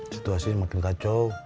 situasi makin kacau